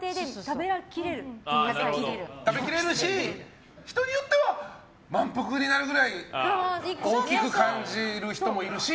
食べきれるし人によっては満腹になるぐらい大きく感じる人もいるし。